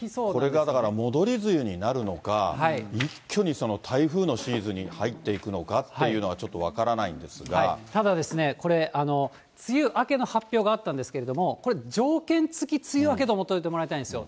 これがだから、戻り梅雨になるのか、一挙に台風のシーズンに入っていくのかっていうのが、ただ、これ、梅雨明けの発表があったんですけれども、これ、条件付き梅雨明けと思っておいていただきたいんですよ。